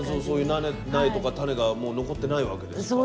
そういう苗とか種がもう残ってないわけですか？